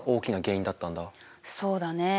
そうだね。